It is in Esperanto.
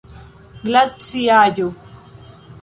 glaciaĵo